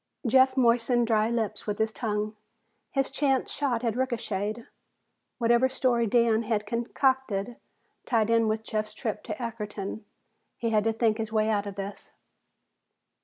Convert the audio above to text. Jeff moistened dry lips with his tongue. His chance shot had ricocheted; whatever story Dan had concocted tied in with Jeff's trip to Ackerton. He had to think his way out of this.